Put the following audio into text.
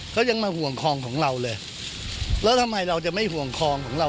เขายังมาห่วงคลองของเราเลยแล้วทำไมเราจะไม่ห่วงคลองของเรา